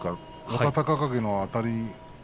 若隆景のあたり